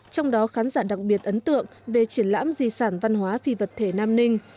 trong đó khán giả đặc biệt ấn tượng về triển lãm di sản văn hóa phi vật thể nam ninh